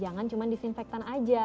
jangan cuma disinfectant saja